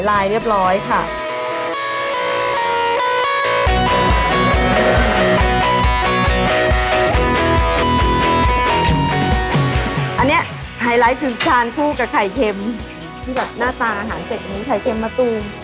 อันนี้ไฮไลท์คือทานคู่กับไข่เค็มที่แบบหน้าตาอาหารเสร็จมีไข่เค็มมะตูม